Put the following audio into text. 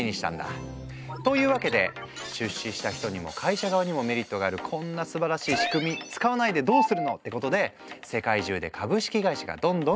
というわけで出資した人にも会社側にもメリットがあるこんなすばらしい仕組み使わないでどうするのってことで世界中で株式会社がどんどん増えていった。